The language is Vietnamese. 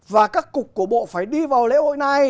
và các cục của bộ phải đi vào lễ hội này